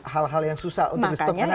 hal hal yang susah untuk disutup karena